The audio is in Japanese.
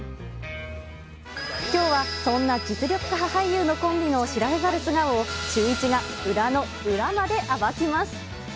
きょうはそんな実力派俳優のコンビの知られざる素顔をシューイチが裏の裏まで暴きます。